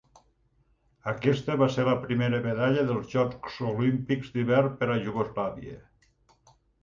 Aquesta va ser la primera medalla dels Jocs Olímpics d'Hivern per a Iugoslàvia.